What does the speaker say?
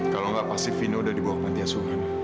kalau gak pasti vino udah dibawa ke pantai asuhan